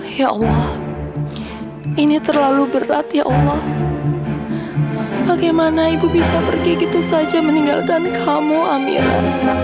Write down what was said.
tidak ada pelajaran atau hvisikmu ini terlalu berat oh allah bagaimana jago begitu saja meninggalkan kamu amira